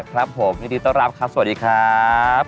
ครับผมยินดีต้อนรับครับสวัสดีครับ